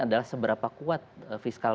adalah seberapa kuat fiskal